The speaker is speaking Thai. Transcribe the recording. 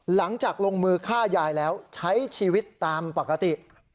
หลังจากลงมือฆ่ายายแล้วใช้ชีวิตตามปกติ